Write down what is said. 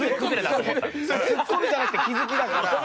それツッコミじゃなくて気づきだから。